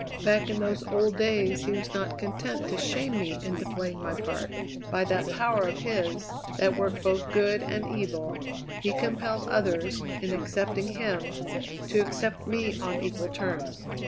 Back in those old days he was not content to shame me into playing my part; by that power of his, that worked both good and evil, he compelled others, in accepting him, to accept me on equal terms.